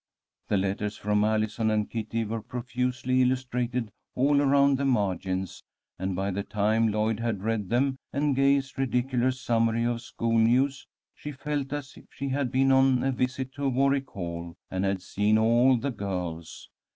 The letters from Allison and Kitty were profusely illustrated all around the margins, and by the time Lloyd had read them, and Gay's ridiculous summary of school news, she felt as if she had been on a visit to Warwick Hall, and had seen all the girls.